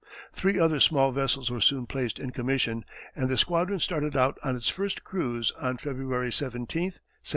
Three other small vessels were soon placed in commission, and the squadron started out on its first cruise on February 17, 1776.